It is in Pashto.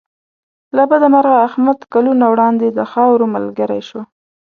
له بده مرغه احمد کلونه وړاندې د خاورو ملګری شو.